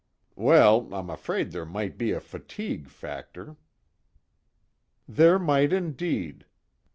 "Well, I'm afraid there might be a fatigue factor." "There might indeed."